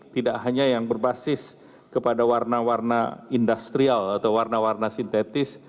tidak hanya yang berbasis kepada warna warna industrial atau warna warna sintetis